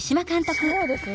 そうですね。